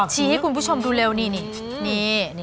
ชี้ให้คุณผู้ชมดูเร็วนี่